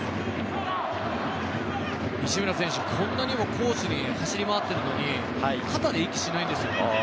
西村選手、こんなにも攻守に走り回っているのに肩で息、しないんですよ。